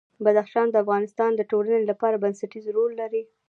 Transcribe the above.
بدخشان د افغانستان د ټولنې لپاره بنسټيز رول لري.